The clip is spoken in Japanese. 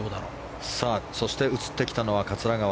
そして映ってきたのは桂川。